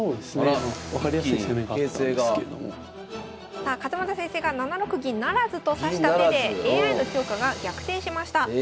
さあ勝又先生が７六銀不成と指した手でＡＩの評価が逆転しました。